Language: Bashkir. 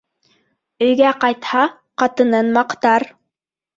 Өйгә ҡайтһа, ҡатынын маҡтар.